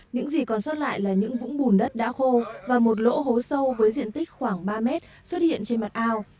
những gì còn sót lại là những vũng bùn đất đã khô và một lỗ hố sâu với diện tích khoảng ba mét xuất hiện trên mặt ao